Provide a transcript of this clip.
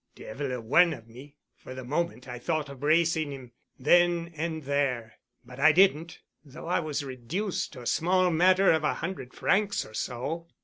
"Devil a one of me. For the moment I thought of bracing him then and there. But I didn't—though I was reduced to a small matter of a hundred francs or so."